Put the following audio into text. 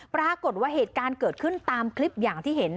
ปรากฏว่าเหตุการณ์เกิดขึ้นตามคลิปอย่างที่เห็น